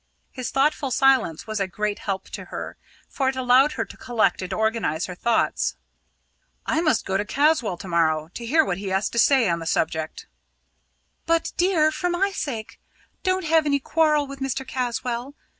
His thoughtful silence was a great help to her, for it allowed her to collect and organise her thoughts. "I must go and see Caswall to morrow, to hear what he has to say on the subject." "But, dear, for my sake, don't have any quarrel with Mr. Caswall.